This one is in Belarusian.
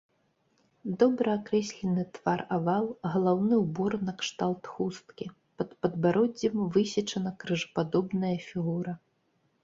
Добра акрэслены твар-авал, галаўны ўбор накшталт хусткі, пад падбароддзем высечана крыжападобная фігура.